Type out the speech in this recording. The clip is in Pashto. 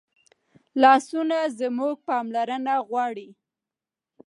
لاسونه زموږ پاملرنه غواړي